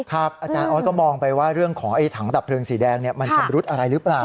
อาจารย์ออสก็มองไปว่าเรื่องของถังดับเพลิงสีแดงมันชำรุดอะไรหรือเปล่า